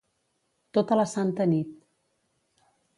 Tota la santa nit.